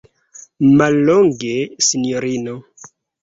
Mallonge, sinjorino.